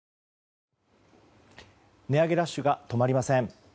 値上げラッシュが止まりません。